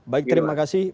baik terima kasih